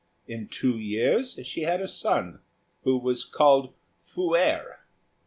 In two years she had a son, who was called Fu êrh.